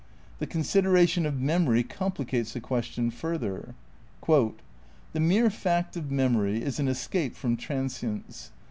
The consideration of memory complicates the question further. ... "the mere fact of memory is an escape from transience.